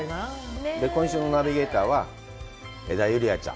今週のナビゲーターは江田友莉亜ちゃん。